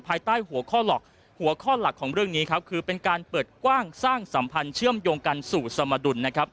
ภายใต้หัวข้อหลักของเรื่องนี้คือเป็นการเปิดกว้างสร้างสัมพันธ์เชื่อมยงกันสู่สมดุล